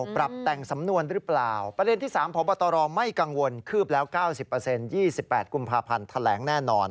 ปรับแต่งสำนวนหรือเปล่า